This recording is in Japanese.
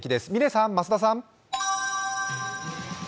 嶺さん、増田さん。